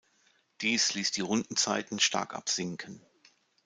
Dies ließ die Rundenzeiten stark absinken.